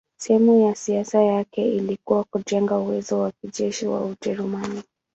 Sehemu ya siasa yake ilikuwa kujenga uwezo wa kijeshi wa Ujerumani.